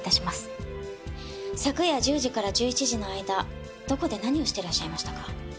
昨夜１０時から１１時の間どこで何をしてらっしゃいましたか？